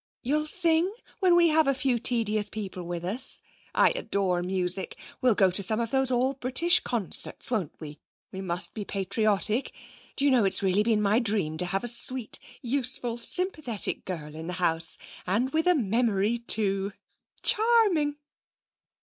You'll sing when we have a few tedious people with us? I adore music. We'll go to some of those all British concerts, won't we? We must be patriotic. Do you know it's really been my dream to have a sweet, useful, sympathetic girl in the house. And with a memory too! Charming!'